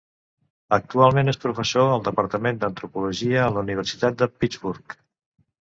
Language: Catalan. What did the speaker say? Actualment és professor al departament d'antropologia a la Universitat de Pittsburgh.